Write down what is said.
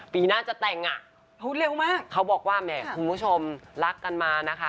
ปีหน้าจะแต่งอ่ะเพราะว่าคุณผู้ชมรักกันมานะคะ